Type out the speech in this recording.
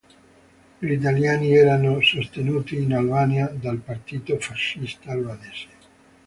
Gli italiani erano sostenuti in Albania dal Partito Fascista Albanese.